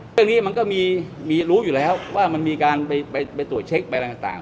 เรื่องนี้มันก็มีรู้อยู่แล้วว่ามันมีการไปตรวจเช็คไปอะไรต่าง